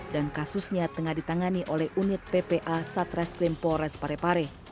dan kasusnya tengah ditangani oleh unit ppa satreskrim pores parepare